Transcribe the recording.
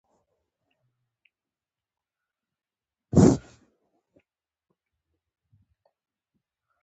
زوی يې غلی ولاړ و.